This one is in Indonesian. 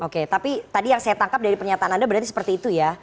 oke tapi tadi yang saya tangkap dari pernyataan anda berarti seperti itu ya